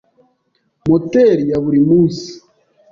moteri ya buri munsi